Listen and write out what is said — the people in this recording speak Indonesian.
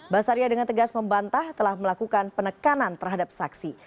basaria dengan tegas membantah telah melakukan penekanan terhadap saksi